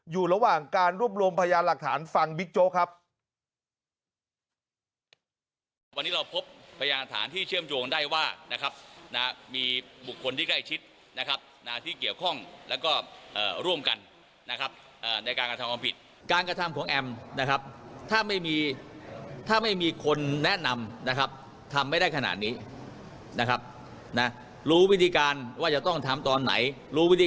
อยู่ระหว่างการรวบรวมพยานหลักฐานฟังบิ๊กโจ๊กครับ